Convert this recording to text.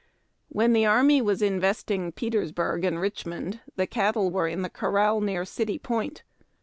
When the army was investing Petersburg and Richmond, the cattle were in corral near City Point.